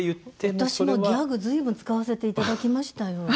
私もギャグ随分使わせて頂きましたよ。